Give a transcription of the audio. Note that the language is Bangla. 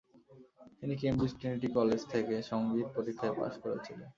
তিনি কেম্ব্রিজ ট্রিনিটি কলেজ থেকে সংগীত পরীক্ষায় পাস করেছিলেন।